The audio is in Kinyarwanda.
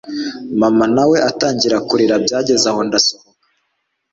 mama nawe atangira kurira byagezaho ndasohoka